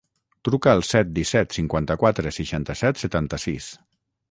Truca al set, disset, cinquanta-quatre, seixanta-set, setanta-sis.